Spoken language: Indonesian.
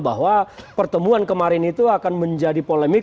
bahwa pertemuan kemarin itu akan menjadi polemik